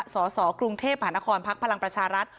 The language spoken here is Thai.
สสกรุงเทพฯหานครพักพลังประชารัฐ